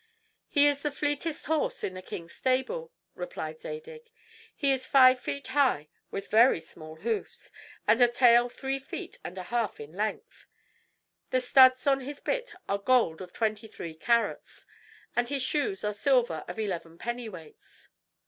"He is the fleetest horse in the king's stable," replied Zadig; "he is five feet high, with very small hoofs, and a tail three feet and a half in length; the studs on his bit are gold of twenty three carats, and his shoes are silver of eleven pennyweights."